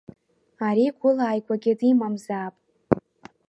Ари гәыла ааигәагьы димамзаап.